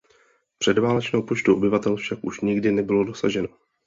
Předválečného počtu obyvatel však už nikdy nebylo dosaženo.